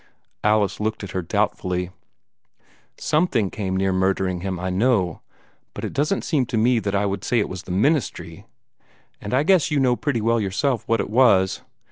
Alice looked at her doubtfully. "Something came near murdering him, I know. But it doesn't seem to me that I would say it was the ministry. And I guess you know pretty well yourself what it was.